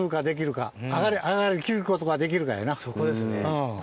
そこですね。